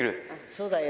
そうだよ。